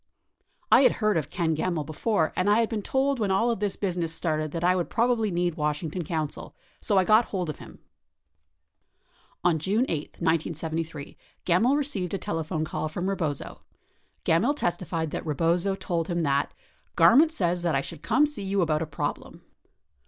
"I had heard of [Ken Gemmill] before and I had been told when all of this business started that I would probably need Washington counsel. So I got hold of him." 56 On June 8, 1973, Gemmill received a telephone call from Rebozo. Gemmill testified that Rebozo told him that "Garment says that I should come see you about a problem."